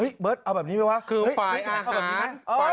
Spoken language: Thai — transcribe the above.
เฮ้ยเบิร์ตเอาแบบนี้ไหมวะเอาแบบนี้ไหมเออพุกยาวมาเงียบเฉพาะมันคือฝรายอาหาร